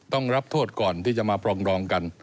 ต้องรับโทษก่อนที่จะมาปรองดองกัน